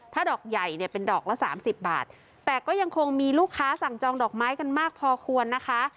ถ้าดอกใหญ่เนี่ยเป็นดอกละสามสิบบาทแต่ก็ยังคงมีลูกค้าสั่งจองดอกไม้กันมากพอควรนะคะ